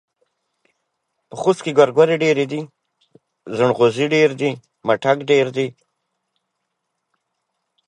ژوند وکه؛ خو د ټيټو سترګو دا نه.